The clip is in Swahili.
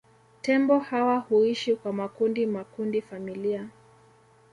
Tembo hawa huishi kwa makundi makundi familia